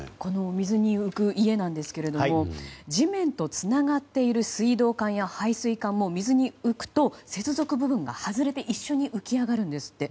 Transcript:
水に浮く家なんですけど地面とつながっている水道管や排水管も水に浮くと、接続部分が外れて一緒に浮き上がるんですって。